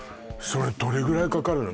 それどれぐらいかかるの？